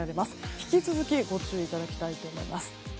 引き続きご注意いただきたいと思います。